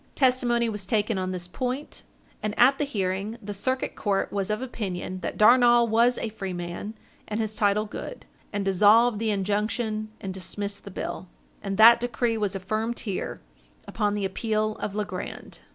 Testimony was taken on this point, and at the hearing, the Circuit Court was of opinion that Darnall was a free man and his title good, and dissolved the injunction and dismissed the bill; and that decree was affirmed here, upon the appeal of Legrand.